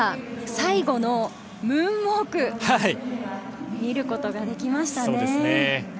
最後のムーンウォーク、見ることができましたね。